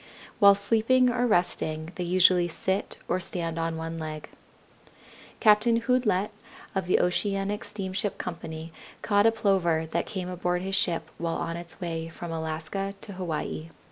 While sleeping or resting they usually sit or stand on one leg. Captain Houdlette of the Oceanic Steamship Company caught a Plover that came aboard his ship while on its way from Alaska to Hawaii.